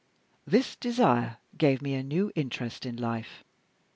This desire gave me a new interest in life.